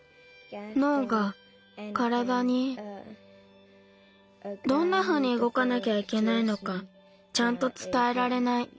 のうがからだにどんなふうにうごかなきゃいけないのかちゃんとつたえられない。